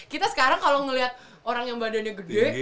kita sekarang kalo ngeliat orang yang badannya gede